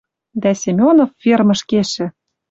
Дӓ Семенов, фермыш кешӹ